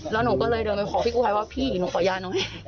แล้วหนูก็เลยเดินไปบอกพี่กู้ภัยว่าพี่หนูขอยาหน่อย